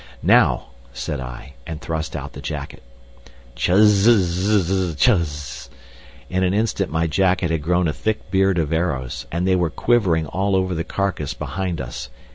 "Now!" said I, and thrust out the jacket. "Chuzz zz zz zz! Chuzz!" In an instant my jacket had grown a thick beard of arrows, and they were quivering all over the carcass behind us.